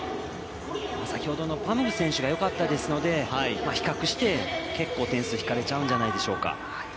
先ほどのパムグ選手がよかったので、比較して結構点数、引かれちゃうんじゃないでしょうか。